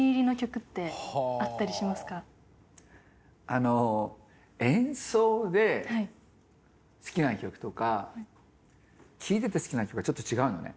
あの演奏で好きな曲とか聴いてて好きな曲はちょっと違うのね。